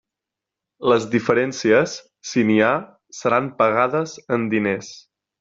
Les diferències, si n'hi ha, seran pagades en diners.